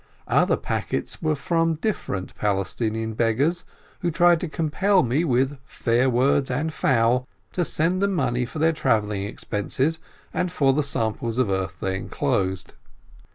Other packets were from different Palestinian beggars, who tried to compel me, with fair words and foul, to send them money for their travelling expenses and for the samples of earth they enclosed.